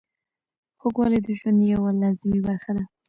خوږوالی د ژوند یوه لازمي برخه ده.